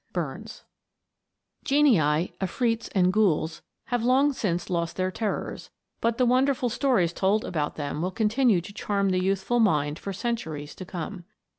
BURNS. GENII, afrits, and ghouls, have long since lost their terrors, but the wonderful stories told about them will continue to charm the youthful mind for cen turies to come.